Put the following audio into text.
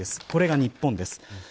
これが日本です。